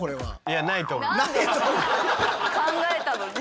考えたのに。